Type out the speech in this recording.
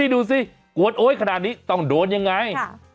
ดูสิกวดโอ๊ยขนาดนี้ต้องโดนยังไง